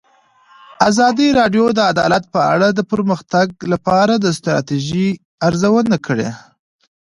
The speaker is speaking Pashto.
ازادي راډیو د عدالت په اړه د پرمختګ لپاره د ستراتیژۍ ارزونه کړې.